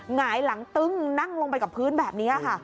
หงายหลังตึ้งนั่งลงไปกับพื้นแบบนี้ค่ะ